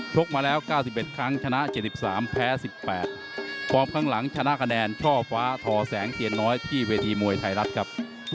กมาแล้ว๙๑ครั้งชนะ๗๓แพ้๑๘ฟอร์มข้างหลังชนะคะแนนช่อฟ้าทอแสงเทียนน้อยที่เวทีมวยไทยรัฐครับ